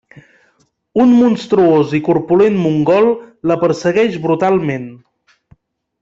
Un monstruós i corpulent mongol la persegueix brutalment.